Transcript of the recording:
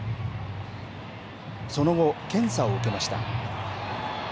その後、検査を受けました。